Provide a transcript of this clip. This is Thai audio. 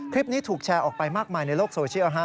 คลิปนี้ถูกแชร์ออกไปมากมายในโลกโซเชียล